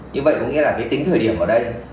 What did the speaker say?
như vậy có nghĩa là cái tính thời điểm ở đây